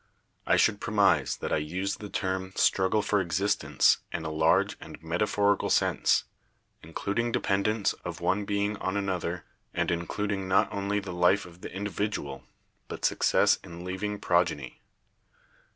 "I should premise that I use the term 'struggle for existence' in a large and metaphorical sense, including de pendence of one being on another and including not only the life of the individual, but success in leaving progeny.